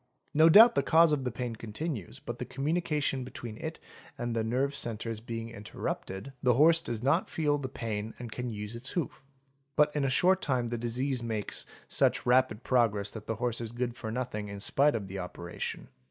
No doubt the cause of the pain continues but the communication between it and the nerve centres being interrupted the | CONCEALING ILLNESSES 813 horse does not feel the pain and can. use its hoof; but in a short time the disease makes such rapid progress that the horse is good for nothing in © spite of the operation.